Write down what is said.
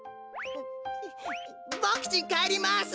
ボクちんかえります！